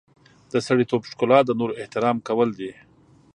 د سړیتوب ښکلا د نورو احترام کول دي.